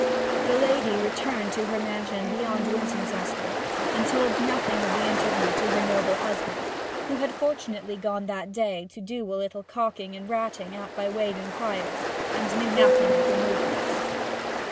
The lady returned to her mansion beyond Wintoncester, and told nothing of the interview to her noble husband, who had fortunately gone that day to do a little cocking and ratting out by Weydon Priors, and knew nothing of her movements.